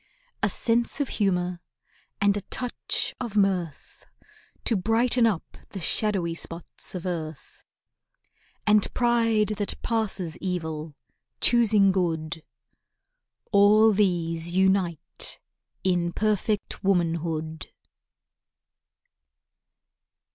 A sense of humour, and a touch of mirth, To brighten up the shadowy spots of earth; And pride that passes evil—choosing good. All these unite in perfect womanhood.